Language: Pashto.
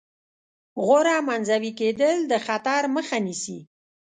غوره منزوي کېدل د خطر مخه نیسي.